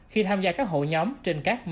khi tham gia các hội nhóm trên các mạng xã hội